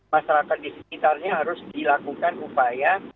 masyarakat di sekitarnya harus dilakukan upaya